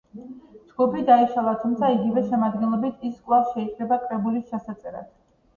ჯგუფი დაიშალა, თუმცა იგივე შემადგენლობით ის კვლავ შეიკრიბა კრებულის ჩასაწერად.